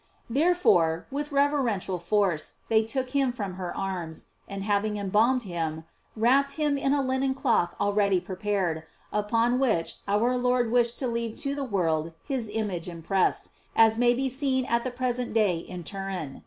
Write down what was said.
Therefore, with reverential force they took him from her arms, and having embalmed him, wrapped him in a linen cloth already prepared, upon which our Lord wished to leave to the world his image impressed, as may be seen at the present day in Turin.